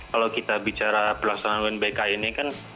kalau kita bicara pelaksanaan unbk ini kan